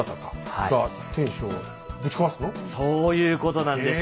そういうことなんです。